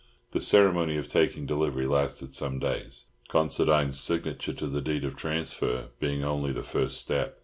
The ceremony of taking delivery lasted some days, Considine's signature to the deed of transfer being only the first step.